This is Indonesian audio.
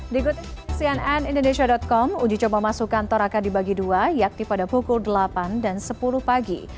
di goodsianinindonesia com uji coba masuk kantor akan dibagi dua yaitu pada pukul delapan dan sepuluh pagi